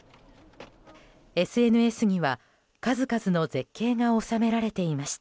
ＳＮＳには、数々の絶景が収められていました。